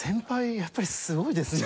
やっぱりすごいですね。